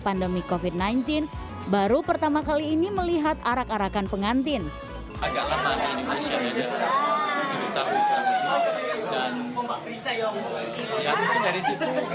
pandemi kofit sembilan belas baru pertama kali ini melihat arak arakan pengantin agak ramai